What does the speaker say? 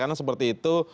katakanlah seperti itu